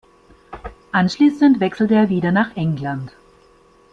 Anschließend wechselte er wieder nach England.